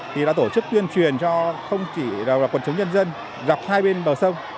thì đã tổ chức tuyên truyền cho không chỉ là quận chống nhân dân dọc hai bên bờ sông